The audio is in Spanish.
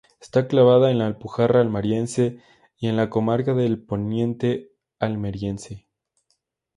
Está enclavada en la Alpujarra Almeriense y en la comarca del Poniente Almeriense.